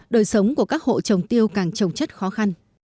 trụ trồng tiêu càng trồng chất khó khăn